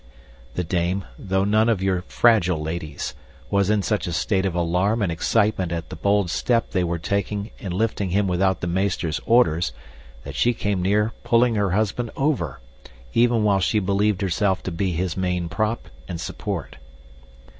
The dame, though none of your fragile ladies, was in such a state of alarm and excitement at the bold step they were taking in lifting him without the meester's orders that she came near pulling her husband over, even while she believed herself to be his main prop and support.